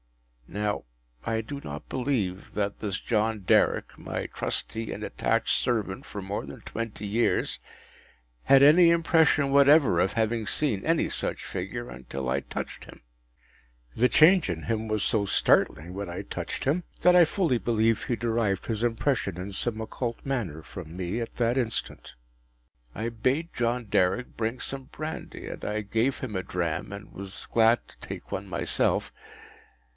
” Now I do not believe that this John Derrick, my trusty and attached servant for more than twenty years, had any impression whatever of having seen any such figure, until I touched him. The change in him was so startling, when I touched him, that I fully believe he derived his impression in some occult manner from me at that instant. I bade John Derrick bring some brandy, and I gave him a dram, and was glad to take one myself.